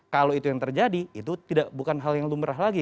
kalau itu yang terjadi itu bukan hal yang lumrah lagi